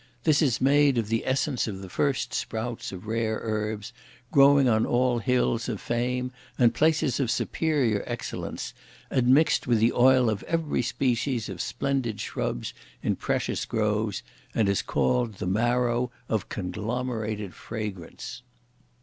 This is made of the essence of the first sprouts of rare herbs, growing on all hills of fame and places of superior excellence, admixed with the oil of every species of splendid shrubs in precious groves, and is called the marrow of Conglomerated Fragrance."